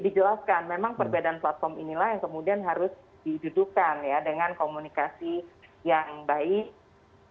dijelaskan memang perbedaan platform inilah yang kemudian harus didudukan ya dengan komunikasi yang baik